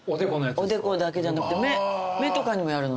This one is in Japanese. おでこだけじゃなくて目とかにもやるの。